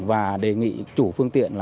và đề nghị chủ phương tiện